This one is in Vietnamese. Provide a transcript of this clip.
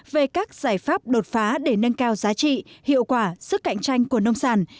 về các giải pháp đột phá để nâng cao giá trị hiệu quả sức cạnh tranh của nông sản